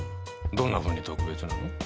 どんなふうに特別なの？